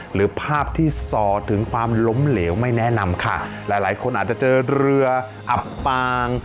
หรือภาพที่สอดถึงความล้มเหลวไม่แนะนำค่ะหลายหลายคนอาจจะเจอเรืออับปาง